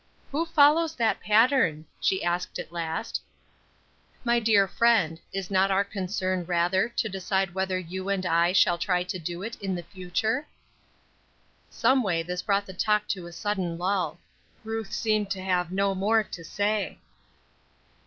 "Who follows that pattern?" she asked, at last. "My dear friend, is not our concern rather to decide whether you and I shall try to do it in the future?" Someway this brought the talk to a sudden lull. Ruth seemed to have no more to say.